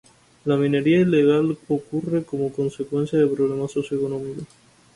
La minería ilegal ocurre como consecuencia de problemas socioeconómicos.